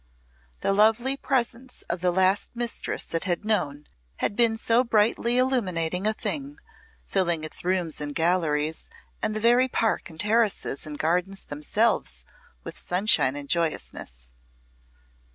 The lovely presence of the last mistress it had known had been so brightly illuminating a thing, filling its rooms and galleries and the very park and terraces and gardens themselves with sunshine and joyousness.